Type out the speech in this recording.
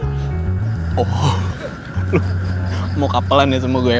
lo mau kapelan ya sama gue